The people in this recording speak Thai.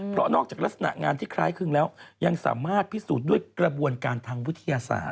เพราะนอกจากลักษณะงานที่คล้ายครึ่งแล้วยังสามารถพิสูจน์ด้วยกระบวนการทางวิทยาศาสต